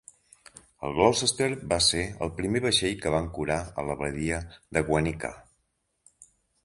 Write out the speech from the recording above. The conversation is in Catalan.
El "Gloucester" va ser el primer vaixell que va ancorar a la badia de Guanica.